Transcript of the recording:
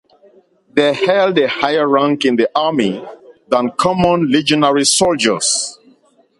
They held a higher rank in the army than common legionary soldiers.